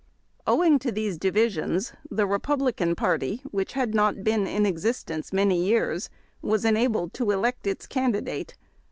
Owing to these divisions the Republican party, which had not been in existence many years, was enabled to elect its candi date.